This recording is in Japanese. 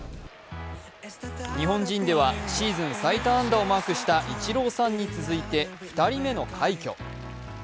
日本人ではシーズン最多安打をマークしたイチローさんに続いて２人目の快挙。